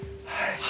はい。